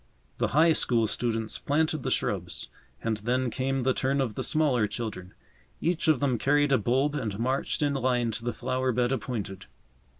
The High School students planted the shrubs, and then came the turn of the smaller children. Each of them carried a bulb and marched in line to the flower bed appointed.